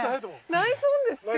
ナイスオンですって。